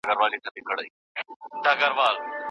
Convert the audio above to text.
که له ټولو شرونو ځان ساتل ممکن نه و څه وکړو؟